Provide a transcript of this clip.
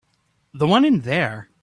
The one in there.